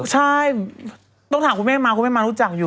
ใช่ต้องถามคุณแม่มาคุณแม่มารู้จักอยู่